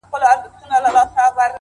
هره لاسته راوړنه له لومړي ګام پیلېږي’